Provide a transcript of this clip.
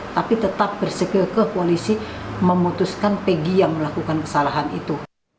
tapi tetap bersekeh ke polisi memutuskan pegi yang melakukan kesalahan itu